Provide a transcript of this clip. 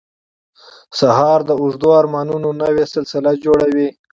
سهار د اوږدو ارمانونو نوې سلسله جوړوي.